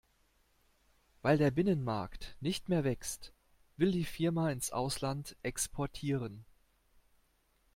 Weil der Binnenmarkt nicht mehr wächst, will die Firma ins Ausland exportieren.